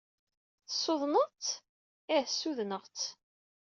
Tessudned-tt? Ih, ssudneɣ-tt.